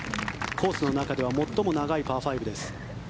コースの中では最も長いパー５です。